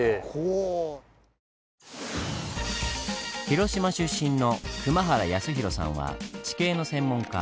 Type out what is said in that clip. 広島出身の熊原康博さんは地形の専門家。